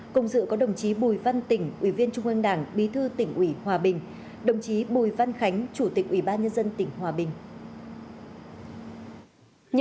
cùng dự có đồng chí bùi văn tỉnh ủy viên trung ương đảng bí thư tỉnh ủy hòa bình đồng chí bùi văn khánh chủ tịch ủy ban nhân dân tỉnh hòa bình